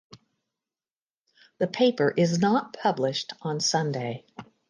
The paper is not published on Sunday.